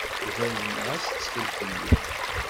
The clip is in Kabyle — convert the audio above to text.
D ayen, ɣas ttkel fell-i.